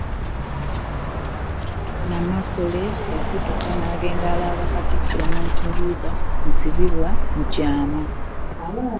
Namasole yeesitula n’agenda alaba Katikkiro Martin Luther Nsibirwa mu kyama.